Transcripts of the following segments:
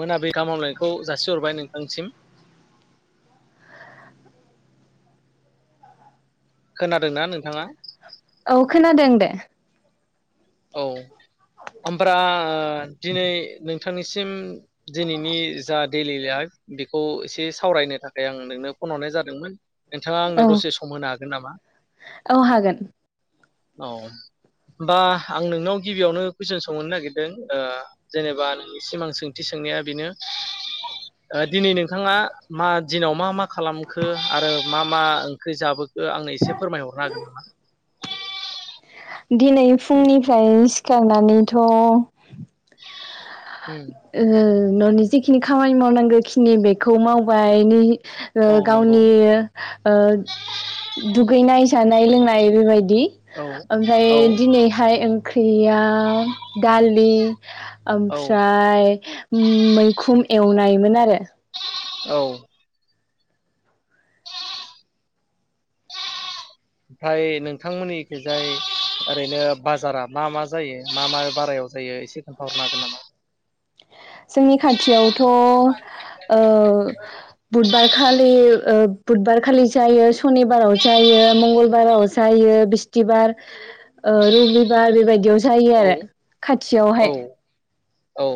मोनाबिलि गाहाम हामग्लायनायखौ जासिहरबाय नोंथांसिम। खोनादोंना नोंथाङा? औ खोनादों दे। औ ओमफ्रा दिनै नोंथांनिसिम दिनैनि जा डेलि लाइफ बेखौ एसे सावरायनो थाखाय आं नोंनो फन हरनाय जादोंमोन। नोंथाङा औ आंनो दसे सम होनो हाग नामा औ हागोन। औ होमबा आं नोंनाव गिबियावनो कुइसन सोंहरनो नागिरदों ओ जेनेबा नोंनिसिम आं सोंथि सोंनाया बेनो ओ दिनै नोंथाङा मा दिनाव मा मा खालामखो आरो मा मा ओंख्रि जाबोखो आंनो एसे फोरमायहरनो हागोन नामा? दिनै फुंनिफ्राय सिखारनानैथ' [inaudible] ओ ननि जिखिनि खामानि मावनांगौखिनि बेखौ मावबाय नि ओ औ नंगौ गावनि ओ दुगैनाय जानाय लोंनाय बेबाय दि औ ओमफ्राय औ दिनैहाय ओंख्रियाव दालि औ ओमफ्रा फाय मैखुन एवनायमोन आरो औ ओमफ्राय नोंथांमोननिथिंजाय ओरैनो बाजारा मा मा जायो मा मा बारायाव जायो एसे खोन्थाहरनो हागोन नामा? नि खाथियाव थ ओ बुधबार खालि ओ बुधबारखालि जायो सनिबाराव जायो मंगलबाराव जायो बिस्थिबार ओ रबिबार बेबायदियाव ज जायो आरो औ खाथियावहाय औ औ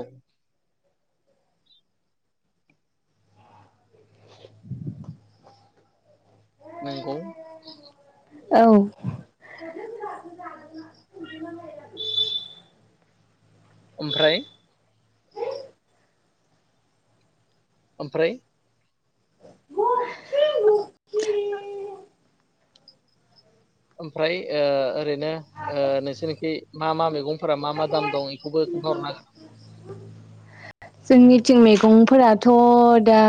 नोंगौ औ ओमफ्राय ओमफ्राय [unintelligible] ओमफ्राय ओ ओरैनो ओ नोंसोरनिखि मा मा मैगं फोरा मा मा दाम दं बेखौबो खोन्थाहरनो हागोन? जोंनिथिं मैगंफोराथ' दा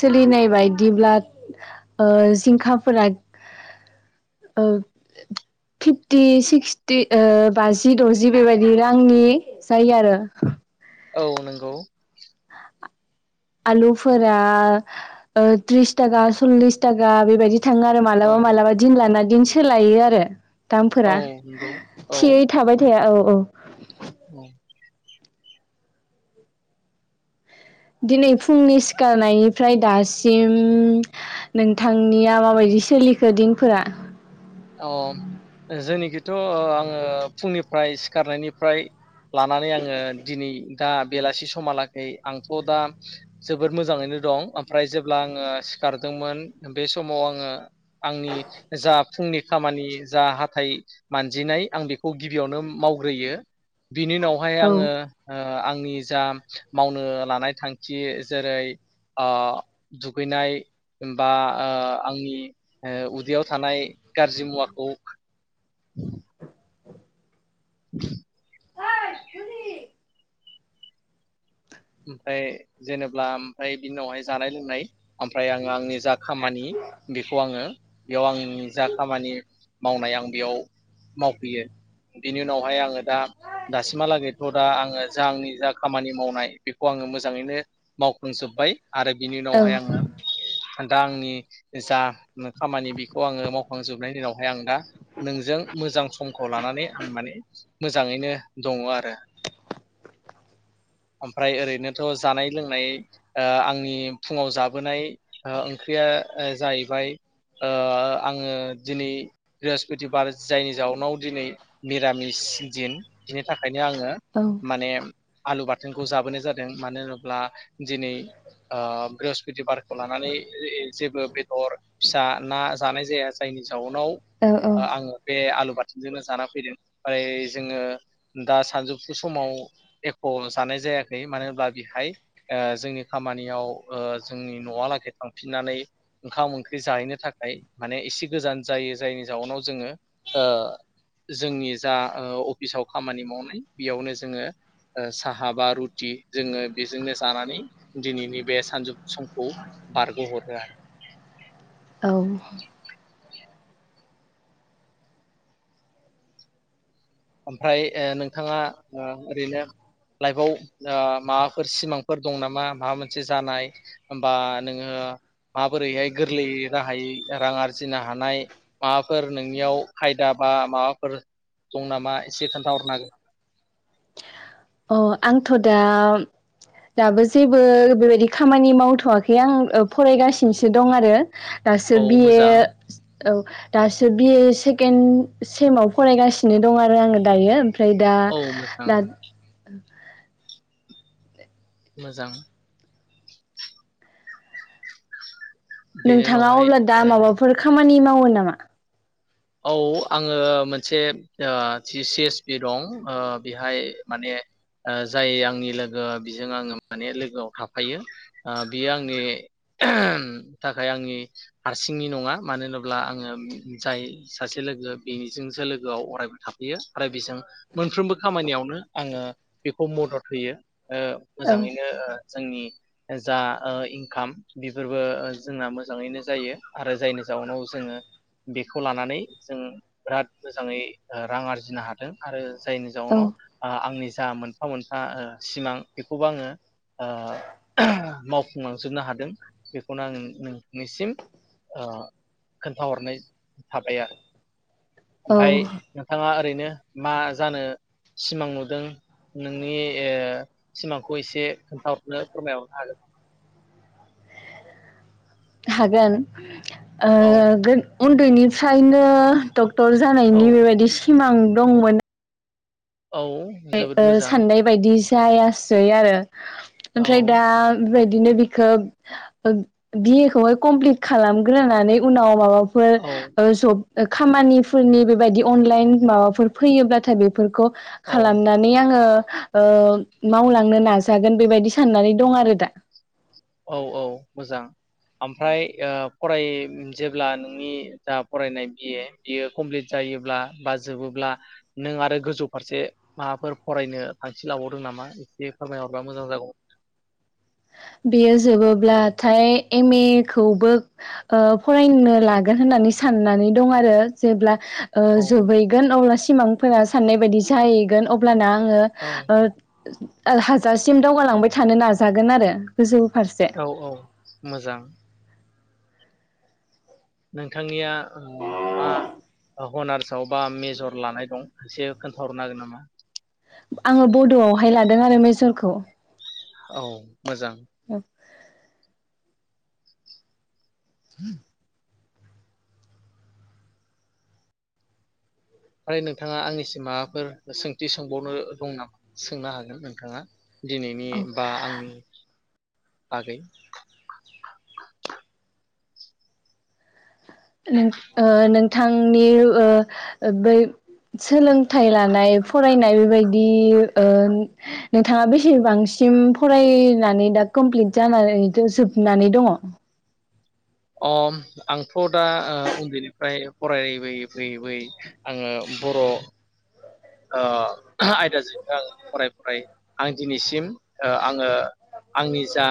सोलिनाय बायदिब्ला ओ जिंखाफोरा ओ फिफटि सिक्सटि ओ बाजि दजि बेबायदि रांनि जायो आरो औ नंगौ आलुफोरा थ्रिस थाखा सललिस थाखा बेबायदि थाङो आरो औ मालाबा मालाबा दिन लानानै बिदिनो सोलायो आरो औ दामफोरा नंगौ औ थियै थाबाय थाया औ औ औ दिनै फुंनि सिखारनायनिफ्राय दासिम नोंथांनिया माबायदि सोलिखो दिनफोरा अ जोंनिखोथ आङो फुंनिफ्राय सिखारनायनिफ्राय लानानै आङो दिनै दा बेलासि समहालागै आंथ दा जोबोद मोजाङैनो दं ओमफ्राय जेब्ला आङो सिखारदोंमोन बे समाव आङो आंनि जा फुंनि खामानि जा हाथाय मानजिनाय आं बेखौ गिबियावनो मावग्रोयो बिनि उनावहाय औ आङो ओ ओ आंनि जा मावनो लानाय थांखि जेरै ओ दुगैनाय बा ओ आंनि ओ उदैयाव थानाय गाज्रि मुवाखौ [inaudible] [inaudible] ओमफ्राय जेनेल्बा ओमफ्राय बिनि उनावहाय जानाय लोंनाय ओमफ्राय आङो आंनि जा खामानि बेखौ आङो बेयाव आंनि जा खामानि मावनाय आं बेयाव मावफैयो बिनि उनावहाय आङो दा दासिमहालागैथ दा आङो जा आंनि जा खामानि मावनाय बेखौ आङो मोजाङैनो मावफुंजोब्बाय। आरो बिनि औ उनावहाय आङो दा आंनि जा खामानि बेखौ आङो मावखांजोबनायनि दिनावहाय आं दा नोंजों मोजां समखौ लानानै आं माने मोजाङैनो दङ आरो ओमफ्राय ओरैनोथ जानाय लोंनाय ओ आंनि फुङाव जाबोनाय ओ ओंख्रिया ओ जाहैबाय ओ आङो दिनै बिरास्पतिबार जायनि जाउनाव दिनै मिरामिस दिन बिनि थाख ओंखायनो आङो औ माने आलु बाथ जोंखौ जाबोनाय जादों मानो होनोब्ला दिनै ओ बृहस्पति बारखौ लानानै जेबो बेदर फिसा ना जानाय जाया जायनि जाउनाव औ औ आङो बे आलु बाथोनजोंनो जाना फैदों ओमफ्राय जोङो दा सानजौफु समाव एखज जानाय जायाखै मानो होनब्ला बेहाय ओ जोंनि खामानियाव ओ जोंनि न लागै थांफिननानै ओंखाम ओंख्रि जाहैनो थाखाय माने इसे गोजान जायो जायनि जाउनाव जोङो ओ जोंनि जा ओ अफिसाव खामानि मावनाय बेयावनो जोङो ओ सा हा बा रुटि जोङो बेजोंनो जानानै दिनैनि बे सानजौ समखौ बारहोहरो आरो औ ओमफ्राय ओ नोंथाङा ओ ओरैनो लाइफआव ओ माबाफोर सिमांफोर दं नामा माबा मोनसे जानाय बा नोङो माबोरैहाय गोरलैयै राहायै रां आरजिनो हानाय माबाफोर नोंनियाव खायदा बा माबाफोर दं नाम मा इसे खोनथाहरनो हागोन नामा? अ आंथ दा दाबो जेबो बेबायदि खामानि मावथवाखै आं ओ फरायगासिनोसो दं आरो दासो औ बि ए मोजां औ दासो बि ए सेकेणड सेमाव फरायगासिनो दं आरो आङो दायो फ्राय दा औ मोजां दाद मोजां बेनि नोंथाङा उनावहाय अब्ला दा ए माबाफोर खामानि माव मावो नामा? औ आङो मोनसे ओ सि एस पि दं ओ बेहाय माने जाय आंनि लोगो बिजों आङो माने लोगोआव थाफायो ओ बियो आंनि थाखाय आंनि हारसिंनि नङा मानो होनोब्ला आङो जाय सासे लोगो बेनिजोंसो लोगोआव अरायबो थाफैयो आरो बेजों मोनफ्रोमबो खामानियावनो आङो बेखौ मदद होयो। ओ औ मोजाङैनो ओ जोंनि जा ओ इंकाम बेफोरबो जोंना मोजाङैनो जायो आरो जायनि जाउनाव जोङो बेखौ लानानै जों बिराद मोजाङै रां आरजिनो हादों आरो जायनि औ जाउनाव ओ आंनि जा मोनफा मोनफा ओ सिमां बेखौबोआंङो ओ मावफुंलांजोबनोहादों बेखौनो आंङो नोंनिसिम ओ खोनथाहरनाय थाबाय आर औ ओमफाय नोंथाङा ओरै नो मा जानो सिमां नुदों नोंनि ओ सिमांखौ इसे खोन्थाहरनो फोरमायहरनो हागोन नामा? हागोन। ओ औ गोन उन्दैनिफ फ्रायनो दग क्टर औ जानायनि बेबायदि सिमां दं मोन। औ ओइ जोबोद ओ मोजां साननाय बायदिस जायासै आरो औ ओमफ्राय दा बिबायद दिनो बिखोब ओ बि ए खौहाय कमप्लिट खालामग्रोनानै उनाव माबा फो औ ओ जब ओ खामानिफोरनि बेबादि अनलाइन माबाफोर फैयोब्लाथाय बेफोरखौ औ खालामनानै आङो ओ मावलांनो नाजागोन बेबादि साननानै दं आरो दा। औ औ मोजां ओमफ्राय ओह फरायजेब्ला नोंनि जा फरायनाइ बिए बियो कमप्लित जायोब्ला बा जोबोब्ला नों आरो गोजौ फारसे माबाफोर फरायनो थांखि लाबावदोंनामा एसे फोरमायहरबा मोजां जागौमोन। बेयो जोबोब्लाथाय एम ए खौबो ओह ओ फरायनो लागोन होननानै साननानै दं आरो जेब्ला ओह औ जोबहैगोन अब्लासि सिमांफोरा साननायबायदि जाहैगोन अब्लाना आङो औ ओ ओह हाजासिम दावगालांबाय थानो नाजागोन आरो [unintelligible] औ औ मोजां नोंथांनिया औ बा ओह हनार्सआवबा मेजर लानायदं एसे खोन्थाहरनो हागोन नामा। आङो बड' आवहाय लादोंआरो मेजरखौ। ओव मोजां। [inaudible] ओइ नोंथाङा आंनिसिम माबाफोर सोंथि सोंबावनो दंनामा सोंनो हागोन नोंथाङा। दिनैनि औ बा आंनि नआव आगै नों ओह नोंथांनि ओह बै सोलोंथाइ लानाय फरायनाय बेबायदि ओह नोंथाङा बेसेबांसिम फरायनानै दा कमप्लिट जानानै दो जोबनानै दङ। अम आंथ दा ओह उन्दैनिफ्राय फरायबोयै बोयै बोयै आङो बर' ओह आइदा जिनिफ्रय आङो फरायै फरायै आंदिनिसिम ओह आङो आंनि जा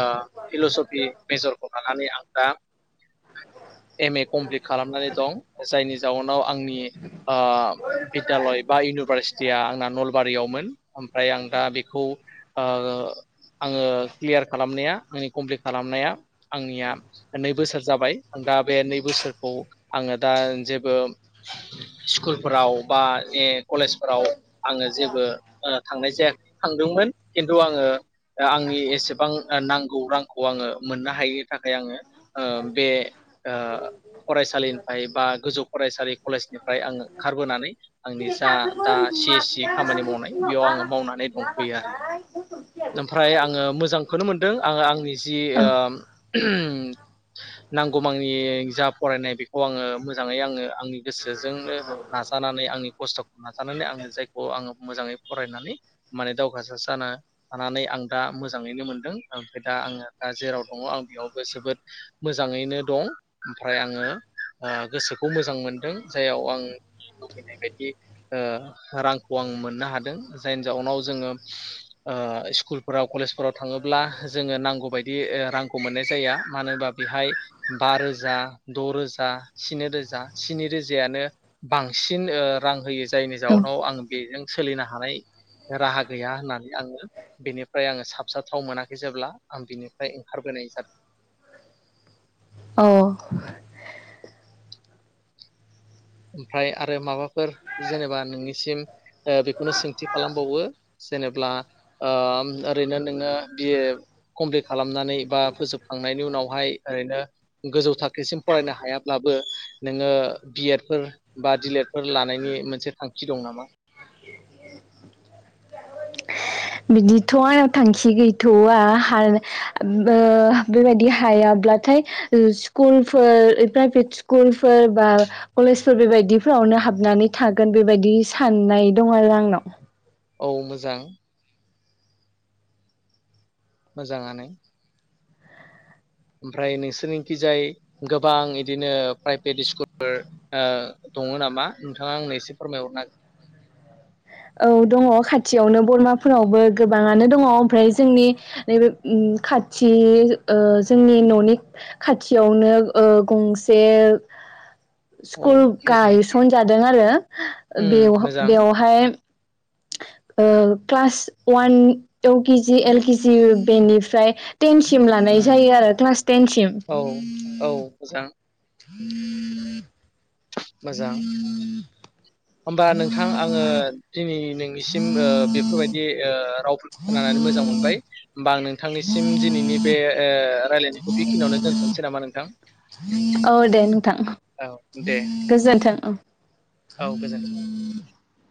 ओह फिलसफि मेजरखौ लानानै आं दा एम ए कप्लित खालामनानै दं जायनि जाउनाव आंनि ओह बिद्दालय बा इउनिभारसिटिया आंना नलबारियावमोन ओमफ्राय आं दा बेखौ ओ आंङो क्लियार खालामनाया आंनि कमप्लिट खालामनाया आंनिया नै बोसोर जाबाय आं दा बे नै बोसोरखौ आंङो दा जेबो स्कुलफोराव बा ए कलेजफोराव आंङो जेबो ओ थांनाय जायाखै थांदोंमोन खिन्थु आंङो आंनि एसेबां नांगौ रांखौ आंङो मोननो हायिनि थाखाय आंङो ओ बे ओ फरायसालिनिफ्राय बा गोजौ फरायसालि कलेजनिफ्राय आंङो ओंखारबोनानै आंनि जि दा दा सि सि खामानि मावनाय। बेयाव आंङो मावनानै दं। गैया। ओमफ्राय आंङो मोजांखौनो मोनदों आंङो आंनि जि औ ओ नांगौ जा फरायनाय बेखौ आंङो मोजाङै आंङो आंनि गोसोजोंनो नाजानानै आंनि खस्थखौ नाजानानै आंङो जायखौ आंङो मोजाङै फरायनानै माने दावगासार जानो थानानै आं दा मोजाङैनो मोनदों ओमफ्राय दा आंङो दा जेराव दङ आं बेयावबो जोबोद मोजाङैनो दं ओमफ्राय आंङो ओ गोसोखौ मोजां मोनदों जाययाव आं लुबैनाय बायदि रांखौ आं मोननो हादों जायनि जाउनाव जोंङो। ओ स्कुलफोराव कलेजफोराव थाङोब्ला जोंङो नांगौ बादि रांखौ मोननाय जाया मानो होनबा बेहाय बा रोजा द रोजा स्नि रोजा स्नि रोजायानो बांसिन ओ रां होयो। जायनि औ जाउनाव आं। बेजों सोलिनो हानाय राहा गैया होननानै। आंङो बेनिफ्राय आंङो साबसाथाव मोनाखै जेब्ला आं बिनिफ्राय ओंखारबोनाय जादों। औ ओमफ्राय आरो माबाफोर जेनेबा नोंनिसिम ओ बेखौनो सोंथि खालामबावो जेनेब्ला ओम ओरैनो नोंङो बिए कमप्लिट खालामनानै बा फोजोबखांनायनि उनावहाय ओरैनो गोजौ थाखोसिम फरायनो हायाब्लाबो नोंङो बिएद फोर बा दिलेटफोर लानायनि मोनसे थांखि दं नामा। बिदिथ' आंनाव थांखि गैथवा हा ओ बेबायदि हायाब्लाथाय स्कुलफोर प्राइभेट स्कुलफोर बा कलेजफोर बेबायदिफोरावनो हाबनानै थागोन बेबायदि साननाय दं आरो आंनाव। औ मोजां। मोजाङानो। ओमफ्राय नोंसोरनिखि जाय गोबां इदिनो प्राइभेट स्कुलफोर ओ दङ नामा नोंथाङा आंनो एसे फोरमायहरनो हागोन? औ दङ खाथियावनो बरमाफोरावबो गोबाङानो दङ ओमफ्राय जोंनि नैबे उम खाथि ओ जोंनि न'नि खाथियावनो ओ गंसे औ स्कुल मोजां गायसनजादों आरो उम बेव मोजां बेवहाय ओ क्लास वान इउ केजि एल केजि बेनिफ्राय टेन सिम लानाय उम जायो आरो क्लास टेनसिम। औ औ मोजां [inaudible] मोजां। होमबा नोंथां आंङो दिनै बिसिम ओ बेफोरबायदि ओ राव खोनानानै मोजां मोनबाय। बांनो नोंथांनिसिम दिनैनि बे ओ‌ रायलायनायखौ बेखिनियावनो दोनथनसै नामा नोंथां? [unintelligible] औ दे नोंथां औ दे गोजोनथों औ। औ गोजोन्थों।